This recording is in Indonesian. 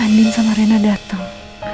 andin sama rena dateng